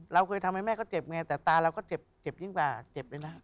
เราเคยทำให้แม่ก็เจ็บไงแต่ตาเราก็เจ็บยิ่งกว่าเจ็บเลยนะ